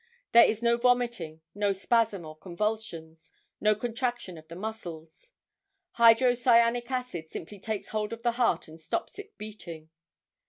There is no vomiting, no spasm or convulsions, no contraction of the muscles—hydrocyanic acid simply takes hold of the heart and stops its beating.